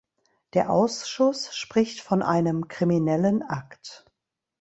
Der Ausschuss spricht von einem kriminellen Akt.